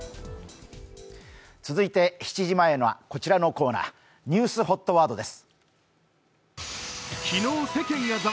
続いて７時前はこちらのコーナー「ニュースＨＯＴワード」です。